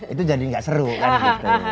itu jadi nggak seru kan gitu